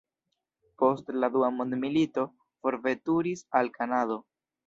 Post la dua mondmilito forveturis al Kanado.